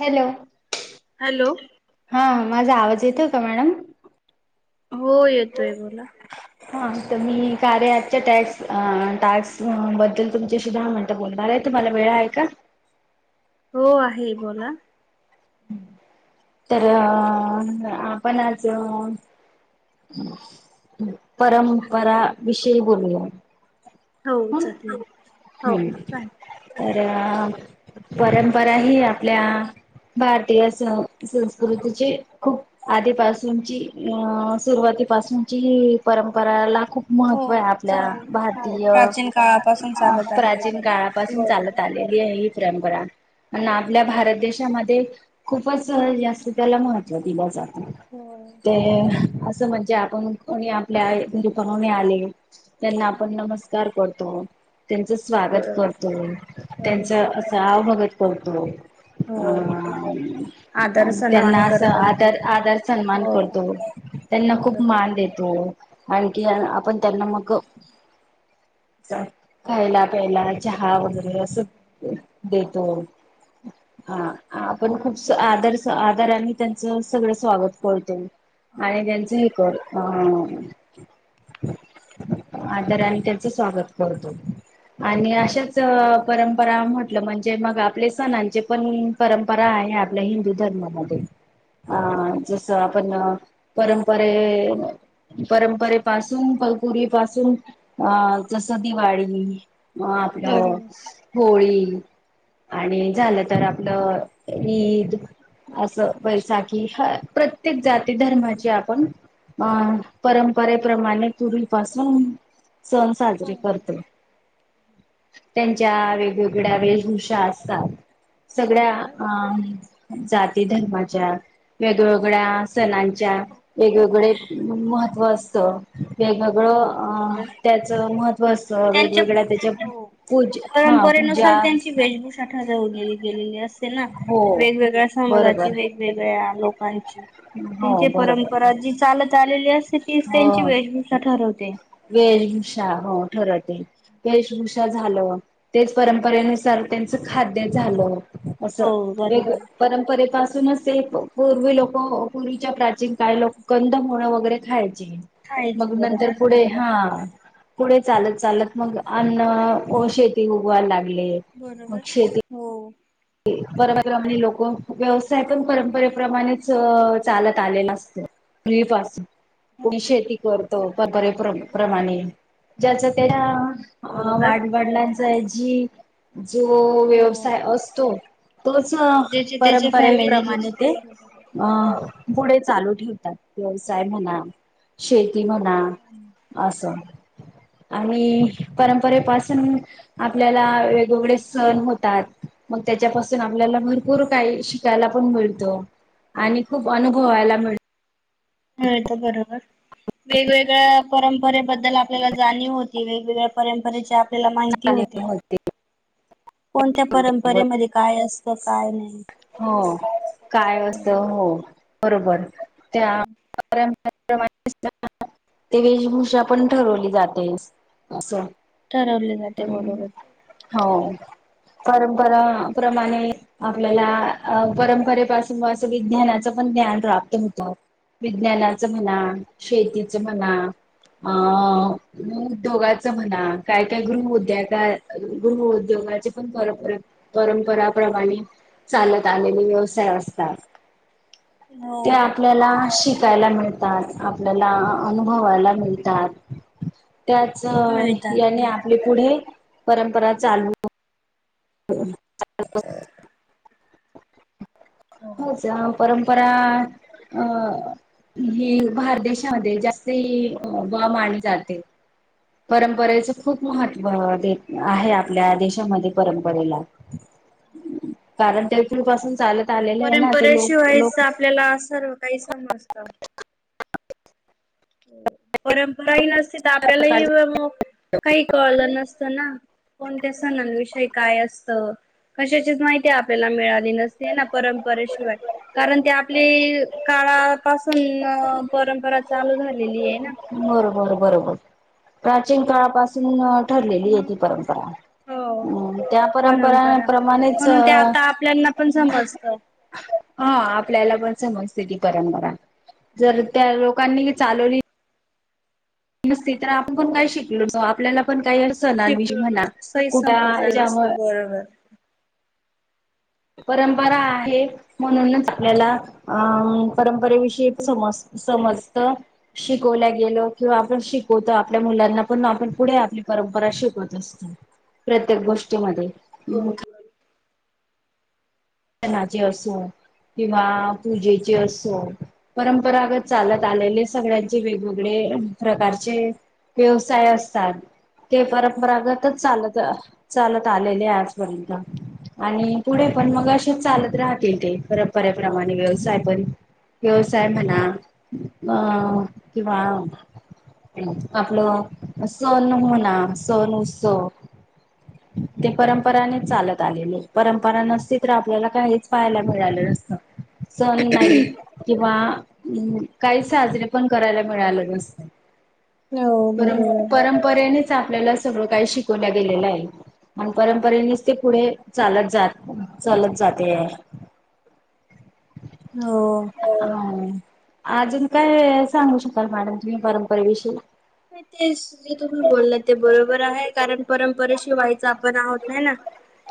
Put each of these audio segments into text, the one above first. Hello. Hello हा माझा आवाज येतोय काय मॅडम? हो येतोय बोला. हा तर मी कार्या ऐपच्या टॅक्स अ टॅक्स अ बद्दल तुमचाशी दहा मिन टं बोलणार आहे तुम्हाला वेळा आहे का? हो आहे बोला. तर अ आपण आज परंपरा विषयी बोलू या. हो चालेल हो हम्म चालेल. तर परंपरा ही आपल्या भारतीय सं संस्कृतीची खूप आधीपासूनची अ सुरुवातीपासूनची परंपरा ला खूप हो महत्त्व आहे आपल्या चाल हो भारतीय प्राचीन काळापासून अ चालत आलेली प्राचीन परंपरा काळापासून बरोबर चालत आले. ही आहे परंपरा आपल्या आणि भारत देशामध्ये खूपच जास्त त्याला महत्त्व दिलं जातं हो ते असं म्हणजे आपण कोणी आपल्या [unintelligible] पाहुणे आले त्यांना आपण हो नमस्कार करतो. त्यांचा स्वागत बरोबर करतो त्यांचा बरोबर असं आवभगत करतो. हो आ आदर त्यांना सन्मान असं करतो आपण आदर त्यांचा आदर सन्मान हो करतो त्यांना खूप बरोबर मान देतो. आणखी आपण त्यांना मग खायला, प्यायला, चहा वगैरे असं देतो. ह हा आपण खूप स आदर स आदाराने त्यांचा सगळं स्वागत कळतो. आणि हो त्यांचे हे कर अ आदरने त्यांचा स्वागत करतो. आणि अशेच परंपरा म्हटलं म्हणजे मग आपले सणांचे पण परंपरा आहे आपल्या हिंदू धर्मामध्ये. आं जसं आपण परंपरे परंपरे पाासून फलकुरी पासून अ जसं दिवाळी म आपलं बरोबर होळी आणि झालं तर आपलं ईद असं वैसाखी ह प्रत्येक जाती धर्माची आपण अ परंपरेप्रमाणे पूर्वी पासून सण साध हो त त्यांच्या वेगवेगळ्या वेभूषा असतात सगळ्या अ जाती धर्माच्या वेगवेगळ्या सणांच्या वेगवेगळे महत्त्व असतं वेगवेगळं अ हो त्याचं महत्त्व असत त्यांच्या हो हा पूजा परंपरेनुसार त्यांची वेशभूषा ठवलेली गेलेली अस ना हो वेगवेगळ्या समाजाची बरोबर वेगवेगळ्या लोकांची हो त्यांची बरोबर परंपरा जी चालत आलेली असते तीच त्यांची वेशभूषा ठरवते वेशभषा हो ठरते ये वेशभूषा झाल तेच परंपरेनुसार त्यांचं खाद्य झालं असं हो वेग बरोबर परंपरेपासूनच ते पूर्वी लोक पूर्वीच्या प्राचीन काळे लोक कंद होणं वगैरे खाय थाळीची मग नंतर बरोबर. ते हा पुढे चालत चालत मग अन्न शेती उगवायला लागले बरोबर हो परप्रमाणे लोक व्यवसाय पण परंपरेप्रमाणेच चालत आलेला असत फ्री पास कोणी शेती करतो बरे प्रमाणे ज्याच त्या बरोबर. वाढवाडलांचा जी जो हो व्यवसाय असतो तोच ज्याचे त्याचे फॅमिलीचे परंपरप्रमाणे ते बरोबर अ हो पुढे चालू ठेवतात व्यवसाय म्हणा शेती म्हणा ना असं आणि परंपरेपासून आपल्याला वेगवेगळे सण होतात मग त्याच्यापासून आपल्याला भरपूर काही शिकायला पण मिळतो आणि खूप अनुभवायला मिळत मिळतो बरोबर वेगवेगळ्या परंपरेबद्दल आपल्याला जाणीव होती वेगवेगळ्या परंपरेच्या आपल्याला माहिती होते कोणत्या परंपरेमध्ये काय असतं काय नाही हो. काय असत हो बरोबर त्या ते वेशभूषा पण ठरवली जाते असं ठरवले जाते गरोर. हो परंपरापमाणे आपल्याला परंपरेपासून असं विज्ञानाचं पण ज्ञान प्राप्त होतं विज्ञानाचं म्हणा शेतीचं म्हणा अ उद्योगाचं म्हणा काय काय गृहउद्योग गृह उद्योगाचे पण परत परंपराप्रमाणे चालत आलेले व्यवसाय असतात हो ते आपल्याला शिकायला मिळत आपल्याला अनुभवाला मिळतात त्याच मिळतात. याने आपली पुढे परंपरा चालू ह हो परंपरा अ ही भारत देशामध्ये जास्त ही बा मानली जाते परंपरेचं खूप महत्त्व दे आहे आपल्या देशामध्ये परंपरेला कारण ते पूल पासून चालत आलेलं आहे ना ते लोक परंपरेशिवायच लोक आपल्याला सर्व काही समजतं परंपराही नसते आपल्यालाही काही कळलं नसतं ना कोणत्या सणांविषयी काय असत कशाचीच माहिती आपल्याला मिळाली नसते ना परंपरेशिवाय कारण ते आपली काळापासून परंपरा चालू झालेली आहे ना. बरोबर बरोबर प्राचीन काळापासून ठरलेली आहे म्हणून ती परंपरा हो. हम् त्या परंपरा परंपराप्रमाणेच म्हणून ते आता आपल्याना पण समजतं. हा आपल्याला पण समजस्थिती परंपरा जर त्या लोकांनी चालवली नसते तर आपण पण काय शिकलो आपल्याला पण काय अस सण म्हणा कुठच्यामुळे वळळ परंपरा आहे म्हणूनच आपल्याला अ परंपरेविषयी समज समजत शिकवल्या गेलो किंवा आपण शिकवतो आपल्या मुलांना पण आपण पुढे आपली परंपरा शिकवत असतो प्रत्येक गोष्टीमध्ये हो णाचे असो किंवा पूजेचे असो परंपरागत चालत आलेले सगळ्यांचे वेगवेगळे प्रकारचे व्यवसाय असतात ते परंपरागतच चालत चालत आलेले आहे आजपर्यंत आणि पुढे पण मग असे चालत राहतील ते परपऱ्याप्रमाणे व्यवसाय पण व्यवसाय म्हणा अ किंवा आपलं सण हो ना सण उत्सव ते परंपराने चालत आलेले परंपरा नसती तर रा आपल्याला काहीच पाहायला मिळालं नसतं सण नाही किंवा काही साजरे पण करायला मिळाले नसत हो पर बरोबर परंपरेनेच आपल्याला सगळं काही शिकवल्या गेलेलं आहे आणि परंपरेनेच ते पुढे चालत ज चालत जाते हो अजून काय सांगू शकाल मॅडम तुम्ही परंपरेविषयी ते जे तुम्ही बोलल ते बरोबर आहे कारण परंपरेशी वाई आपण आहोत नाही ना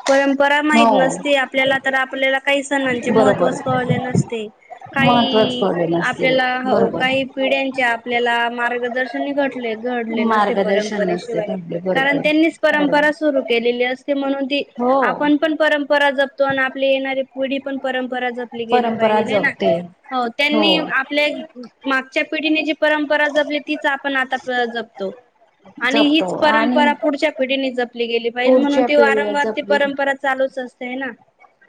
परंपरा माहीत हो नसते आपल्याला तर आपल्याला काही सणांचे बरोबर महत्त्वच कळले नसते महत्त्वच काही पडलेलं असते आपल्याला बरोबर. काही पिढ्यांच्या आपल्याला मार्गदर्शन घड नसे मार्गदर्शन नसते परंपरेशिवाय आपले कारण बरोबर त्यांनीच बरोबर. परंपरा र केलेली अस म्हणून त हो आपण पण परंपरा जपतो आणि आपले येणारी पुढी पण परंपरा जपली गेली परंपरा पाहिजे ल ना जपते हो त्यांनी आपल्या मागच्या पिढीने जी परंपरा जपली ती आपण आता जपतो आणि जपतो हीच आणि परंपरा पुढच्या पिढीने जपली गेली पाहिजे म्हणून पुढच्या ती पिढीला वारंवार ती जपली परंपरा चालूच असतेंय ना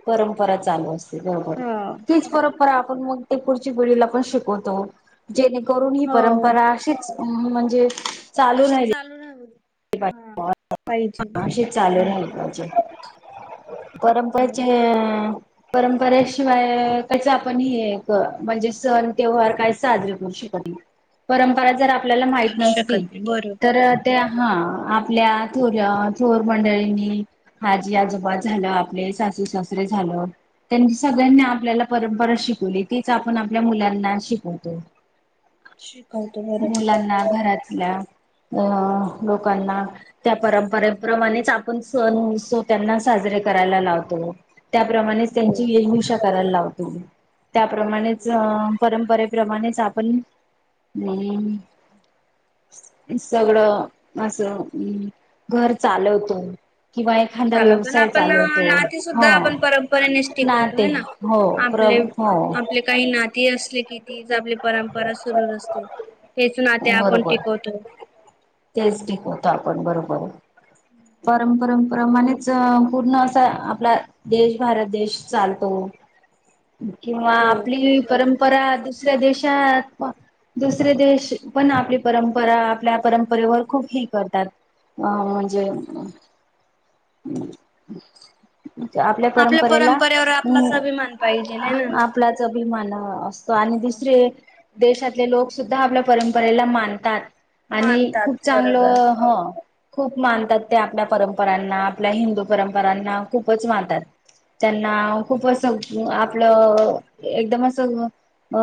परंपरा चालू असते बरोबर हा. तीच पर आपण मग ते पुढची पिढीला पण शिकवतो जेणेकरून ही हो परंपरा अशीच अ म्हणजे अशीच चालू रा म अच चालू हो राहील परंपरेचे हो परंपरेशिवाय कायच आपण हे म्हणजे सण ते्यवहार काय साजरे करू शकत परंपरा जर आपल्याला माहित करू नसती शकत नाही बरोबर तर त्या हा आपल्या थोर थोर मंडळींनी हाजी आजोबात झालं आपले सासू सासरे झालं त्यांनी सगळ्यांनी आपल्याला परंपरा शिकवली तीच आपण आपल्या मुलांना शिकवतो शिकवतो बरोबर. मुलांना घरातल्या अं लोकांना त्या परंपरेप्रमाणेच आपण सण उत्सव त्यांना साजरे करायला लावतो त्याप्रमाणेच त्यांची येल मिशा करायला लावतो म त्याप्रमाणेच अ परंपरेप्रमाणेच आपण अम सगळं असं घर चालवतो किंवा एखादा झाल पण व्यवसाय आपण चालवतो नाती हो सुुद्धा आपण परंपरेनेच टिकवतो ते ह ना हो प्र आपले हो आपले काही नाती असले कितीीच आपली परंपरा सुरू असते हेच ना ते आपण बरोबर टिकवतो तेच टिकवतो आपण बरोबर परमपरंपरामानेच पूर्ण असा आपला देश भारत देश चालतो किंवा हो. आपली परं पर दुसऱ्या देशात दुसरे देश पण आपली परंपरा आपल्या परंपरेवर खूप ह करतात अ म्हणजे आपल्या परंपरेला परंपरेवर अ आपलाच अभिमान पाहिजे हे ना. आपलाच अभिमान असतो आणि हो. दुसरे देशातले लोक सुद्धा आपल्या परंपरेला मानतात आणि मानतात खूप बरोबर चांगलं हा खूप मानतात ते आपल्या परंपरांना आपल्या हिंदू परंपरांना खूपच मानतात त्यांना खूप असं आपलं एकदमचं अ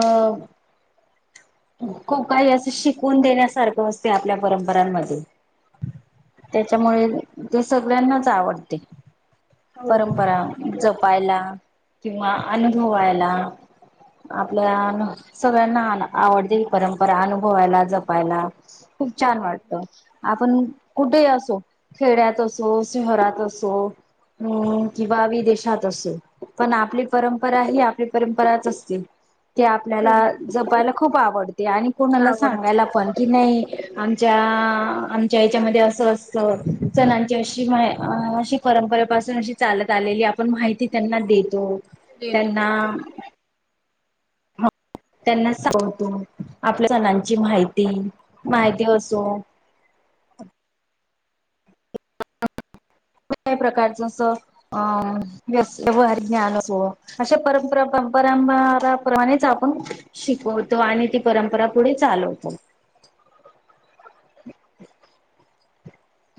ख काही असं शिकवून देण्यासारखं असते आपल्या परंपरांमध्ये त्याच्यामुळे ते सगळ्यांनाच आवडते हो. परंपरा जपायला किंवा अनुभवायला आपल्या सगळ्यांना आवडते ही परंपरा अनुभवायला जपायला हम् छान वाटत आपण कुठे असो खेड्यात असो शहरात असो हम्म किंवा विदेशात असो पण आपली परंपरा ही आपली परंपराच असते ते आपल्याला कर. जपायला खूप आवडते आणि कोणाला आवडते सांगायला पण की नाही आमच्या आमच्या याच्यामध्ये असं असत सणांची अशी अशी परंपरेपासून अशी चालत आलेली आपण माहिती त्यांना देतो देतो त्यांना त्यांना सांगतो आपल्या सणांची माहिती माहिती असो कठल्याही प्रकारच अस अं व्य व्यवहार ज्ञान असो अशा परंपरा परंपराप्रमाणेच आपण शिकवतो आणि ती परंपरा पुढे चालवतो [inaudible]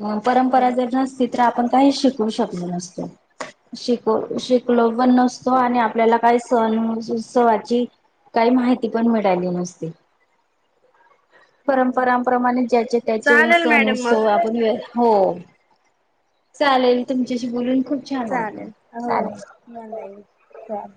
अ परंपरा जर बरोबर. नसती तर आपण काही शिकू शकलो नसतो शिक शिकलो तेच. पण नसतो आणि आपल्याला काय सण उत्सवाची काही माहिती पण मिळाली नसते परंपराांप्रमाणे ज्याचे त्याचे चालेल सण मॅडम मग. उत्सव आपण हो चालेल तुमच्याशी बोलून खूप छान वाटलं चालेल मला च